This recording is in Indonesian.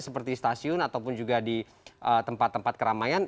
cuma di stasiun ataupun juga di tempat tempat keramaian